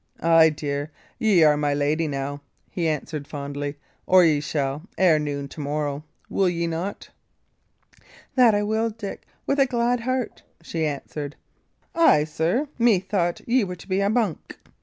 "Ay, dear, ye are my lady now," he answered, fondly; "or ye shall, ere noon to morrow will ye not?" "That will I, Dick, with a glad heart," she answered. "Ay, sir? Methought ye were to be a monk!"